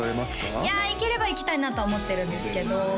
いや行ければ行きたいなとは思ってるんですけどですね